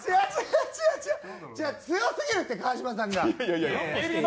違う、違う、強すぎるって、川島さんが。